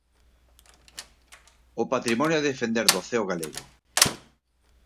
O patrimonio a defender do ceo galego.